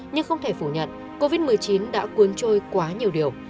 nhưng không thể phủ nhận covid một mươi chín đã cuốn trôi quá nhiều điều